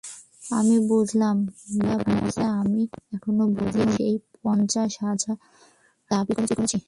আমি বুঝলুম, বিমলা ভাবছে, আমি এখনই বুঝি সেই পঞ্চাশ হাজার দাবি করছি।